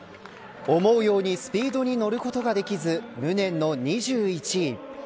思うようにスピードに乗ることができず無念の２１位。